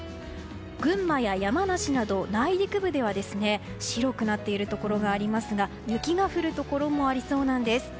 群馬や山梨など内陸部では白くなっているところがありますが雪が降るところもありそうなんです。